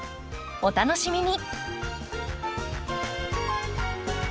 お楽しみに！